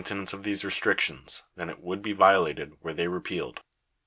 nance of these restrictions, than it would be violated were they repealed.